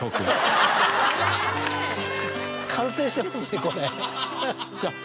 完成してますねこれ。